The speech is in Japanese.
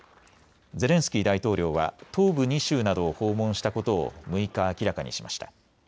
ゼレンスキー大統領は東部２州などを訪問したことを６日、明らかにしました。